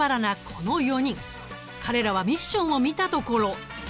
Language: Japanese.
彼らはミッションを見たところ。